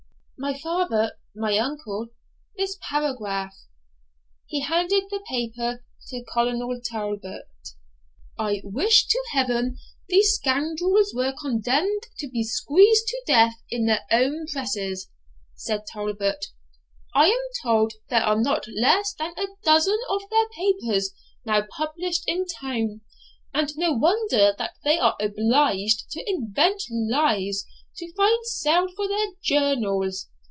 'My father my uncle this paragraph,' he handed the paper to Colonel Talbot. 'I wish to Heaven these scoundrels were condemned to be squeezed to death in their own presses,' said Talbot. 'I am told there are not less than a dozen of their papers now published in town, and no wonder that they are obliged to invent lies to find sale for their journals.